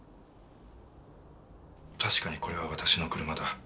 確かにこれは私の車だ。